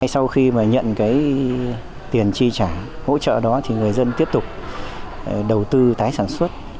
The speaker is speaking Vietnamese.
sau khi mà nhận cái tiền chi trả hỗ trợ đó thì người dân tiếp tục đầu tư tái sản xuất